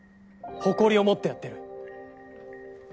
誇りを持ってやってる。